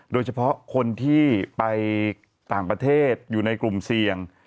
โดยเฉพาะคนที่ไปต่างประเทศอยู่ในกลุ่มเสี่ยง